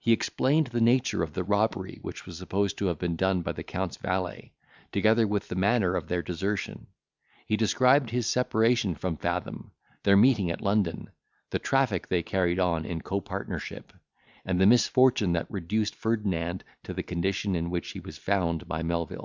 He explained the nature of the robbery which was supposed to have been done by the Count's valet, together with the manner of their desertion. He described his separation from Fathom, their meeting at London, the traffic they carried on in copartnership; and the misfortune that reduced Ferdinand to the condition in which he was found by Melvil.